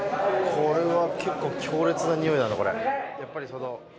これは結構強烈なにおいだな。